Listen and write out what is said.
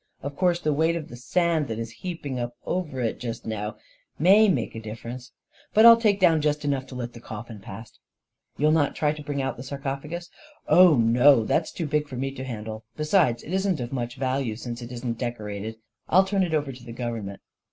Of course the weight of the sand that is heaped up over it now may make a dif ference, but I'll take down just enough to let the coffin past/' " You'll not try to bring out the sarcophagus ?"" Oh, no ; that's too big for me to handle — be sides, it isn't of much value, since it isn't decorated. I'll turn it over to the government."